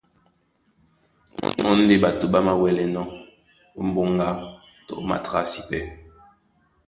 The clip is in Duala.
Mɔ́ ndé ɓato ɓá māwɛ́lɛnɔ́ ó m̀ɓóŋga na ó matrǎsi. Pɛ́.